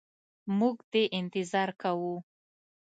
موږ دي انتظار کوو.